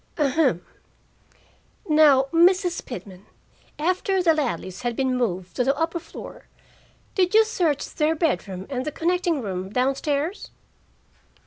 "Ahem. Now, Mrs. Pitman, after the Ladleys had been moved to the upper floor, did you search their bedroom and the connecting room down stairs?"